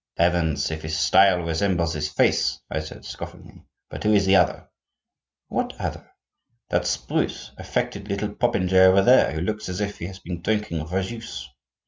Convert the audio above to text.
"Heavens! if his style resembles his face!" I said scoffingly. "But who is the other?" "What other?" "That spruce, affected little popinjay over there, who looks as if he had been drinking verjuice."